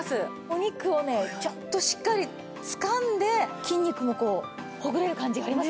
お肉をねちゃんとしっかりつかんで筋肉もこうほぐれる感じありますね。